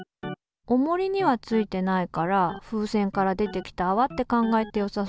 おもりにはついてないから風船から出てきたあわって考えてよさそうだよね。